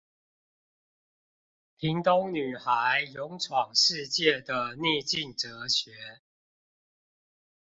屏東女孩勇闖世界的逆境哲學